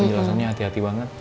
penjelasannya hati hati banget